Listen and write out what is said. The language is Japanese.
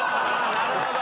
なるほど。